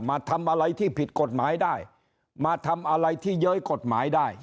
มาทำอะไรที่ผิดกฎหมายได้มาทำอะไรที่เย้ยกฎหมายได้